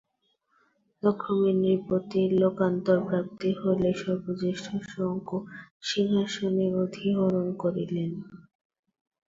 কালক্রমে নৃপতির লোকান্তরপ্রাপ্তি হইলে সর্বজ্যেষ্ঠ শঙ্কু সিংহাসনে অধিরোহণ করিলেন।